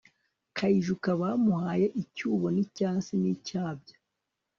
kayijuka bamuhaye icyibo ,n'icyansi n'icyabya